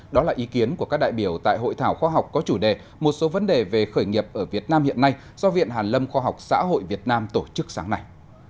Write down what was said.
đó là ý kiến của các đại biểu tại hội thảo khoa học có chủ đề một số vấn đề về khởi nghiệp ở việt nam hiện nay do viện hàn lâm khoa học xã hội việt nam tổ chức sáng nay